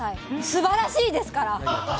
素晴らしいですから。